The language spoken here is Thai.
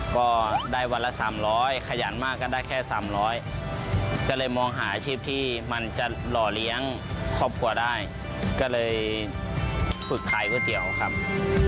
ก็ได้วันละ๓๐๐ขยันมากก็ได้แค่๓๐๐ก็เลยมองหาอาชีพที่มันจะหล่อเลี้ยงครอบครัวได้ก็เลยฝึกขายก๋วยเตี๋ยวครับ